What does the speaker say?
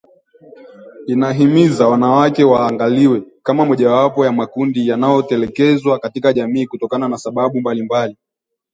Inahimiza wanawake waangaliwe kama mojawapo ya makundi yanayotelekezwa katika jamii kutokana na sababu mbalimbali